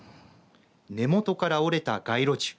根元から折れた街路樹。